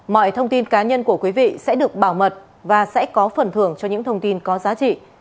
mọi thông tin cá nhân của quý vị sẽ được bảo mật và sẽ có phần thưởng cho những thông tin có giá trị